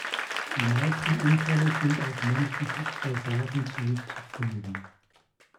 Die meisten Unfälle sind auf menschliches Versagen zurückzuführen.